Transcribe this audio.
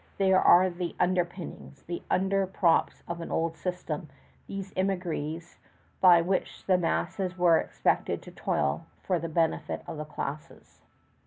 They are the underpinnings, the underprops of an old system, these émigrés, by which the masses were expected to toil for the benefit of the classes.